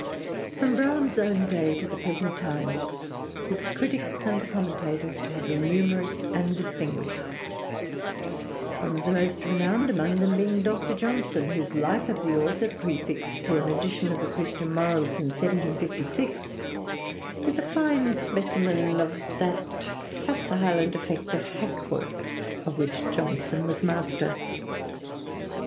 From Browne's own day to the present time his critics and commentators have been numerous and distinguished; one of the most renowned among them being Dr. Johnson, whose life of the author, prefixed to an edition of the 'Christian Morals' in 1756, is a fine specimen of that facile and effective hack work of which Johnson was master.